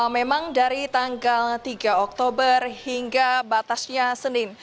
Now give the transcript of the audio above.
memang dari tanggal tiga oktober hingga batasnya senin